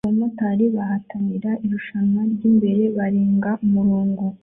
Abamotari bahatanira irushanwa ryimbere barenga umurongo